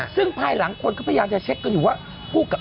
ซึ่งภายหลังคนก็พยายามจะเช็คกันอยู่ว่าคู่กับ